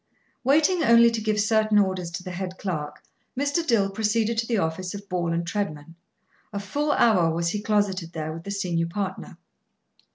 Waiting only to give certain orders to the head clerk, Mr. Dill proceeded to the office of Ball & Treadman. A full hour was he closeted there with the senior partner.